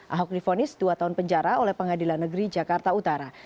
ahok difonis dua tahun penjara oleh pengadilan negeri jakarta utara